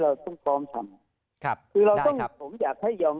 เราอยากให้ยอมรับความจริง